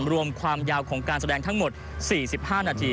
ความยาวของการแสดงทั้งหมด๔๕นาที